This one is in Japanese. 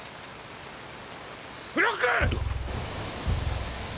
フロック！！